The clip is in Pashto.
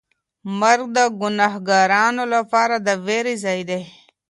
مرګ د ګناهکارانو لپاره د وېرې ځای دی.